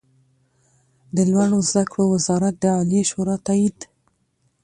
د لوړو زده کړو وزارت د عالي شورا تائید